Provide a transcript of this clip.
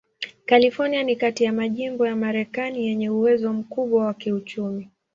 California ni kati ya majimbo ya Marekani yenye uwezo mkubwa wa kiuchumi.